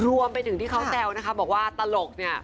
รวมไปถึงที่เขาแซวนะคะบอกว่าตลกเนี่ย